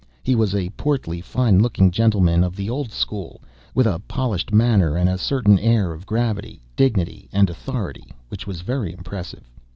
He was a portly, fine looking gentleman of the old school, with a polished manner, and a certain air of gravity, dignity, and authority which was very impressive.